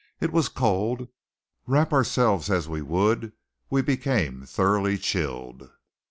It was cold. Wrap ourselves as we would, we became thoroughly chilled.